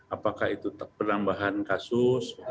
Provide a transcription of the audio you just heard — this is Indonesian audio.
apakah itu penambahan kasus